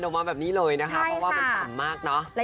ออกมาแบบนี้เลยนะคะเพราะว่ามันต่ำมากเนอะ